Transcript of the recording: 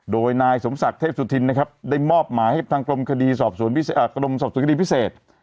โดยนายสมศักดิ์เทพสุธินนะครับได้มอบหมายให้ทางกรมคดีกรมสอบสวนคดีพิเศษ